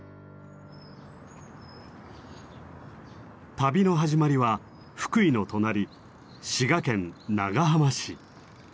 旅の始まりは福井の隣滋賀県長浜市。